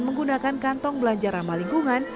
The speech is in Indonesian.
menggunakan kantong belanja ramah lingkungan